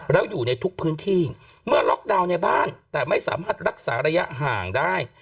แล้วอยู่ในทุกพื้นที่เมื่อล็อกดาวน์ในบ้านแต่ไม่สามารถรักษาระยะห่างได้